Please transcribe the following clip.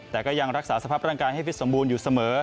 แต่ก็ยังรักษาสภาพร่างกายให้ฟิตสมบูรณ์อยู่เสมอ